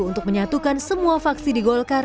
untuk menyatukan semua faksi di golkar